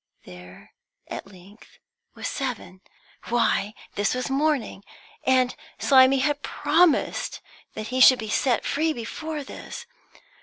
There, at length, was seven. Why, this was morning; and Slimy had promised that he should be set free before this.